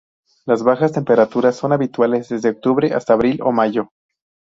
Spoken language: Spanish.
Las bajas temperaturas son habituales desde octubre hasta abril o mayo.